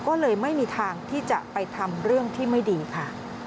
ก็เลยไม่มีทางที่จะไปทำเรื่องที่ไม่ดีค่ะ